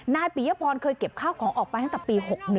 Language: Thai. ปียพรเคยเก็บข้าวของออกไปตั้งแต่ปี๖๑